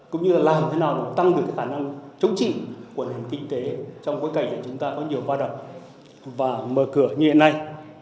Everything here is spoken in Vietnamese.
cũng như là làm thế nào tăng được cái khả năng chống chỉ của nền kinh tế trong bối cảnh chúng ta có nhiều hoạt động và mở cửa như hiện nay